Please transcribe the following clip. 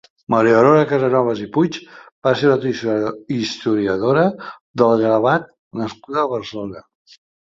Maria Aurora Casanovas i Puig va ser una historiadora del gravat nascuda a Barcelona.